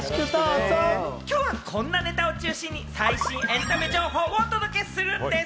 今日こんなネタを中心に最新エンタメ情報をお届けするんでぃす！